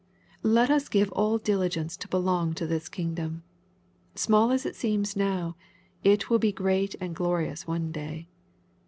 ^' Let us give all diligence to belong to this kingdom. Small as it seems now, it will be great and glorious one day.